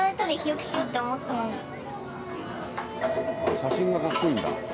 写真がかっこいいんだ。